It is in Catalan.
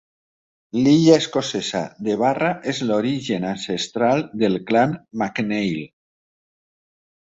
L'illa escocesa de Barra és l'origen ancestral del clan MacNeil.